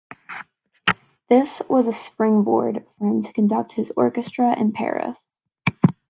This was a springboard for him to conduct this Orchestra in Paris.